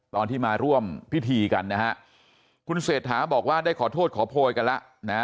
ตอนที่มาร่วมพิธีกันนะฮะคุณเศรษฐาบอกว่าได้ขอโทษขอโพยกันแล้วนะฮะ